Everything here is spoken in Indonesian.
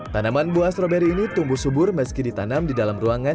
tanaman buah stroberi ini tumbuh subur meski ditanam di dalam ruangan